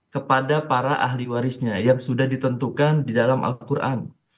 kepada para ahli warisnya yang sudah ditentukan di dalam al quran